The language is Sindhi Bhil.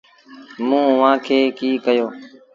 موٚنٚ اُئآݩٚ کي ڪيٚ ڪهيو۔